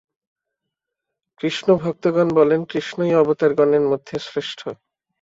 কৃষ্ণভক্তগণ বলেন, কৃষ্ণই অবতারগণের মধ্যে শ্রেষ্ঠ।